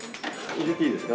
入れていいですか？